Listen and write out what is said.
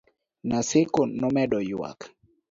Naseko nomedo yuak